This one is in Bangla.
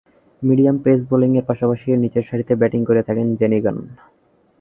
মিডিয়াম পেস বোলিংয়ের পাশাপাশি নিচেরসারিতে ব্যাটিং করে থাকেন জেনি গান।